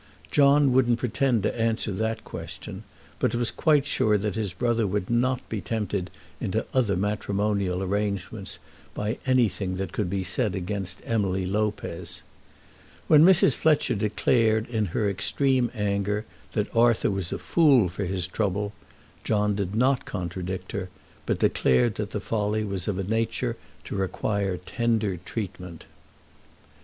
John wouldn't pretend to answer that question, but was quite sure that his brother would not be tempted into other matrimonial arrangements by anything that could be said against Emily Lopez. When Mrs. Fletcher declared in her extreme anger that Arthur was a fool for his trouble, John did not contradict her, but declared that the folly was of a nature to require tender treatment.